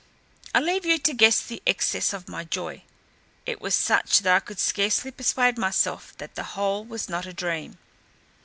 I leave you to guess the excess of my joy: it was such, that I could scarcely persuade myself that the whole was not a dream.